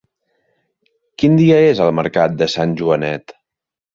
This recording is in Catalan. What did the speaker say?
Quin dia és el mercat de Sant Joanet?